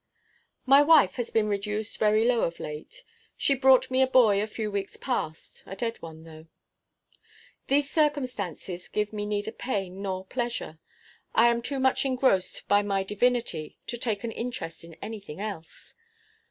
My wife has been reduced very low of late. She brought me a boy a few weeks past, a dead one though. These circumstances give me neither pain nor pleasure. I am too much engrossed by my divinity to take an interest in any thing else.